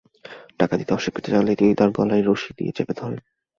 টাকা দিতে অস্বীকৃতি জানালে তিনি তার গলায় রশি দিয়ে চেপে ধরেন।